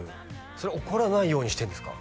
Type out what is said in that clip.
それ怒らないようにしてるんですか？